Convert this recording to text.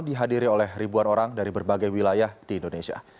dihadiri oleh ribuan orang dari berbagai wilayah di indonesia